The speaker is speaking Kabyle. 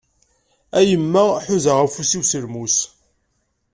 A yemma, ḥuzaɣ afus-iw s lmus!